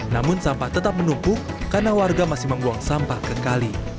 namun sampah tetap menumpuk karena warga masih membuang sampah ke kali